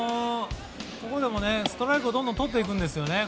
ここでもストライクをどんどんとっていくんですよね。